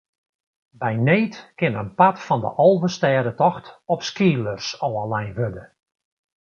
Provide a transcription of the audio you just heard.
By need kin in part fan de Alvestêdetocht op skeelers ôflein wurde.